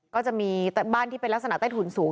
ก็จะมีบ้านที่เป็นลักษณะใต้ถุนสูง